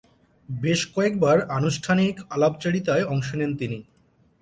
বেশ কয়েকবার আনুষ্ঠানিক আলাপচারিতায় অংশ নেন তিনি।